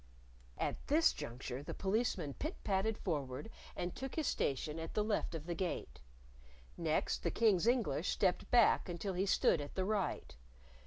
At this juncture the Policeman pit patted forward and took his station at the left of the Gate. Next, the King's English stepped back until he stood at the right.